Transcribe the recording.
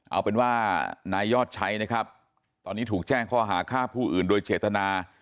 เอาเป็นว่านายยอดชัยนะครับตอนนี้ถูกแจ้งข้อหาฆ่าผู้อื่นโดยเจตนา